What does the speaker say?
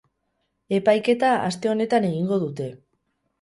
Epaiketa aste honetan egingo dute.